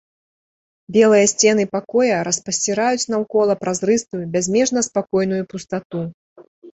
Белыя сцены пакоя распасціраюць наўкола празрыстую, бязмежна спакойную пустату.